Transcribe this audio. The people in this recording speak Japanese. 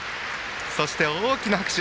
そして大きな拍手。